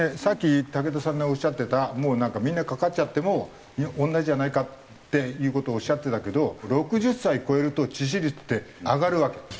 さっき竹田さんがおっしゃってたもうなんかみんなかかっちゃっても同じじゃないかっていう事をおっしゃってたけど６０歳超えると致死率って上がるわけ。